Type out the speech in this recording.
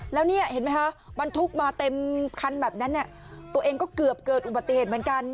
แล้วเนี่ยเห็นไหมคะบรรทุกมาเต็มคันแบบนั้นตัวเองก็เกือบเกิดอุบัติเหตุเหมือนกัน